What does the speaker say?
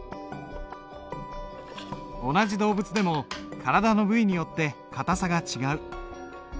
同じ動物でも体の部位によって硬さが違う。